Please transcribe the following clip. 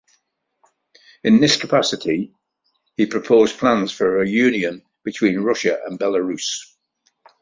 In this capacity, he proposed plans for a union between Russia and Belarus.